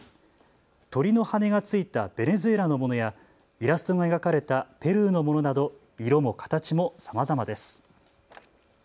鳥の羽根がついたベネズエラのものやイラストが描かれたペルーのものなど色も形もさまざまです。